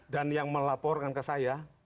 dan yang melaporkan ke saya